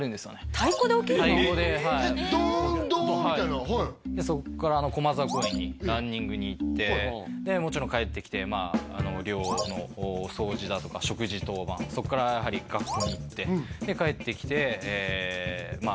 太鼓ではいドーンドーンみたいなはいそこから駒沢公園にランニングに行ってでもちろん帰ってきて寮の掃除だとか食事当番そっからやはり学校に行って帰ってきてまあ